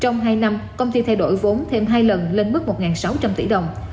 năm năm công ty thay đổi vốn thêm hai lần lên mức một sáu trăm linh tỷ đồng